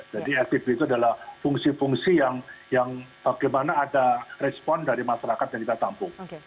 jadi spbe itu adalah fungsi fungsi yang bagaimana ada respon dari masyarakat dan kita tampung